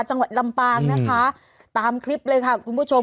จังหวัดลำปางนะคะตามคลิปเลยค่ะคุณผู้ชม